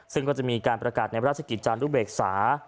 ซึ่งก็จะมีการประกาศในราชกิจจานุเบกษา